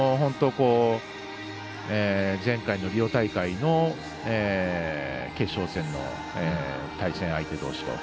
前回のリオ大会の決勝戦の対戦相手どうしと。